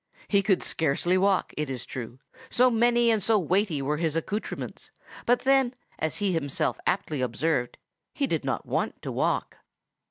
He could scarcely walk, it is true, so many and so weighty were his accoutrements; but then, as he himself aptly observed, he did not want to walk.